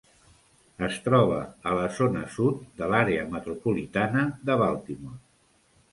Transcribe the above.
Es troba a la zona sud de l'àrea metropolitana de Baltimore.